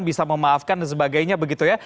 bisa memaafkan dan sebagainya begitu ya